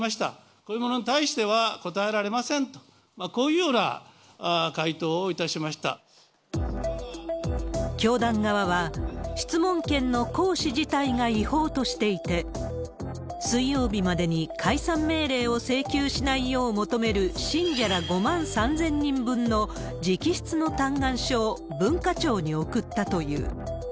こういうものに対しては答えられませんと、こういうような回答を教団側は、質問権の行使自体が違法としていて、水曜日までに解散命令を請求しないよう求める信者ら５万３０００人分の直筆の嘆願書を文化庁に送ったという。